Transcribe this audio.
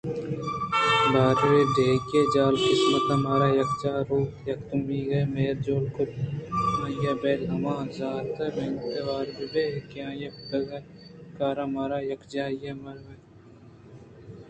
بارءِ ڈیکی ءِ جہل ءَ قسمت ءَ مارا یکجاہ آورت ءُیکے دومی ءِ مہر جوڑ کُت آئی ءَبل ءُہما ساعت ءِ منت وار بہ بئے کہ آئی ءِکُتگیں کاراں مارا یکجاہی ءِ موہ نصیب ءَ کُت